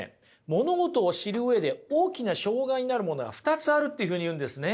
物事を知る上で大きな障害になるものが２つあるっていうふうに言うんですね。